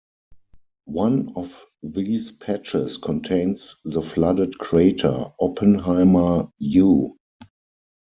One of these patches contains the flooded crater Oppenheimer U.